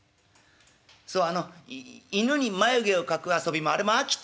そうあの犬に眉毛を描く遊びもあれも飽きた。